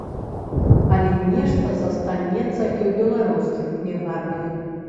Але нешта застанецца і ў беларускіх кнігарнях.